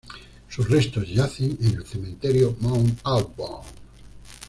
Sus restos yacen en el "Cementerio Mount Auburn".